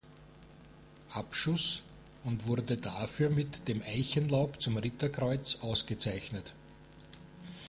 Abschuss und wurde dafür mit dem "Eichenlaub zum Ritterkreuz" ausgezeichnet.